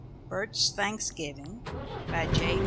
BERT'S THANKSGIVING BY J.